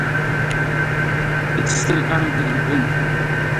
It's still currently in print.